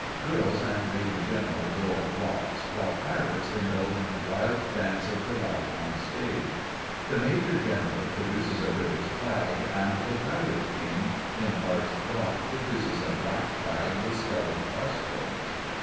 (GIRLS and MAJOR GENERAL go up rocks, while PIRATES indulge in a wild dance of delight on stage. The MAJOR GENERAL produces a British flag, and the PIRATE KING, in arched rock, produces a black flag with skull and crossbones.